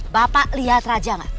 bapak lihat raja gak